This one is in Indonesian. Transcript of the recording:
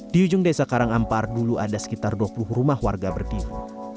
di ujung desa karangampar dulu ada sekitar dua puluh rumah warga berkifu